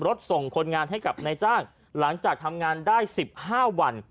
ส่งคนงานให้กับนายจ้างหลังจากทำงานได้๑๕วัน